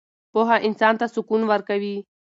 پوهه انسان ته سکون ورکوي.